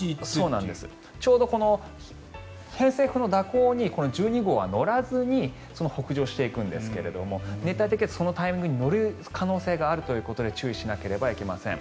偏西風の蛇行に１２号は乗らずに北上していくんですけれど熱帯低気圧そのタイミングに乗る可能性があるということで注意しなければいけません。